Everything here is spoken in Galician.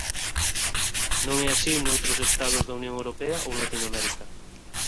Non é así noutros Estados da Unión Europea ou Latinoamérica.